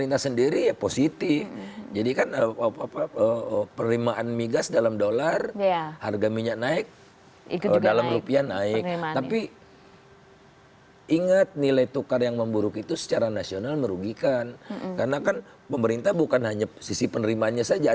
tidak menaikkan harga